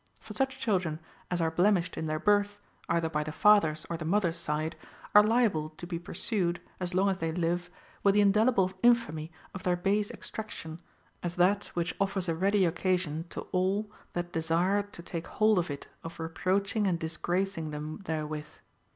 For such children as are blemished in their birth, either by the father's or the mother's side, are liable to be pursued, as long as they live, with the indelible infamy of their base extraction, as that which offers a ready occasion to all that desire to take hold of it of reproaching and disgracing them therewith.